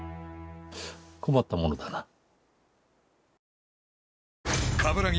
困ったものだな。